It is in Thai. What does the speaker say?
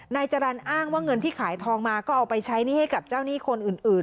นายจรรย์อ้างว่าเงินที่ขายทองมาก็เอาไปใช้หนี้ให้กับเจ้าหนี้คนอื่น